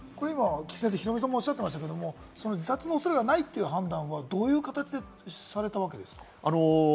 ヒロミさんもおっしゃってましたけれども、自殺の恐れがないという判断は、どういう形でされたわけですか？